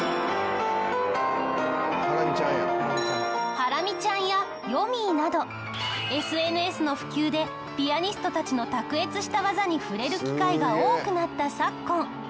ハラミちゃんやよみぃなどＳＮＳの普及でピアニストたちの卓越した技に触れる機会が多くなった昨今。